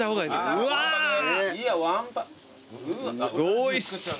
おいしそう。